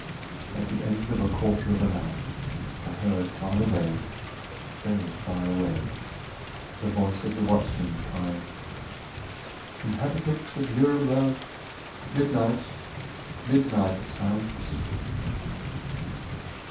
At the end of a quarter of an hour I heard, far away, very far away, the voice of the watchman, crying, "Inhabitants of Nuremberg, midnight, midnight sounds!"